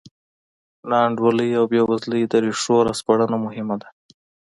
ناانډولۍ او بېوزلۍ د ریښو راسپړنه مهمه ده.